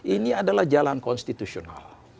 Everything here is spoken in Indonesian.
ini adalah jalan konstitusional